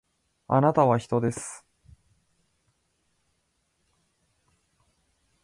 あなたは人です